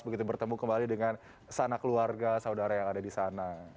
begitu bertemu kembali dengan sana keluarga saudara yang ada di sana